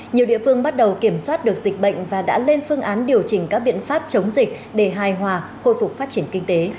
nhiều địa phương bắt đầu kiểm soát được dịch bệnh và đã lên phương án điều chỉnh các biện pháp chống dịch để hài hòa khôi phục phát triển kinh tế